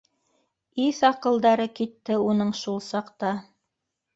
Иҫ-аҡылдары китте уның шул саҡта